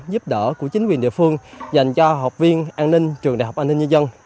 giúp đỡ của chính quyền địa phương dành cho học viên an ninh trường đại học an ninh nhân dân